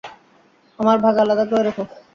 আমার ভাগ আলাদা করে রেখো।